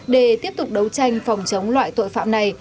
để tiếp tục đấu tranh phòng chống loại tội phạm này